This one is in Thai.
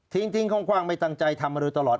ทิ้งคว่างไม่ตั้งใจทำมาโดยตลอด